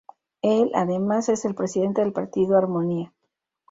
Él además es el presidente del Partido Armonía.